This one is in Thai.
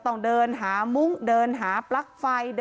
มีแต่เสียงตุ๊กแก่กลางคืนไม่กล้าเข้าห้องน้ำด้วยซ้ำ